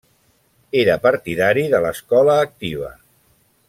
Era partidari de l'escola activa.